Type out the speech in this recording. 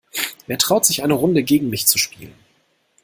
Wer traut sich, eine Runde gegen mich zu spielen?